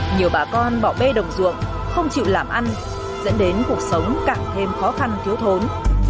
nhiều bà con bỏ bê đồng ruộng không chịu làm ăn dẫn đến cuộc sống càng thêm khó khăn thiếu thốn